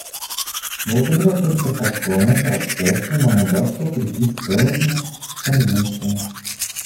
Благодаря только такому процессу нам удастся укрепить целостность Конвенции.